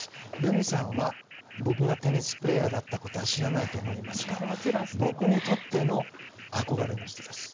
瑠海さんは、僕がテニスプレーヤーだったことは知らないと思いますが僕にとっての憧れの人です。